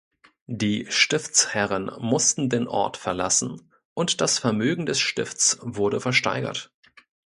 Die Stiftsherren mussten den Ort verlassen und das Vermögen des Stifts wurde versteigert.